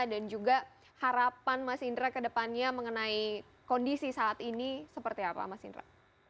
dan juga harapan mas indra kedepannya mengenai kondisi saat ini seperti apa mas indra